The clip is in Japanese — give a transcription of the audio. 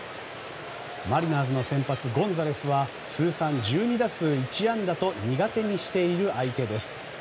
マリナーズの先発ゴンザレスは通算１２打数１安打と苦手にしている相手です。